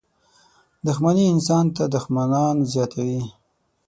• دښمني انسان ته دښمنان زیاتوي.